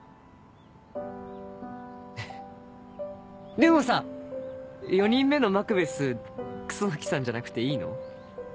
でもさ４人目のマクベス楠木さんじゃなくていいの？